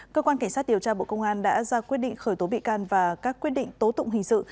cơ quan cảnh sát điều tra bộ công an đã ra quyết định khởi tố bị can và các quyết định tố tụng hình sự